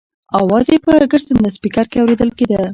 اواز یې په ګرځنده سپېکر کې اورېدل کېده.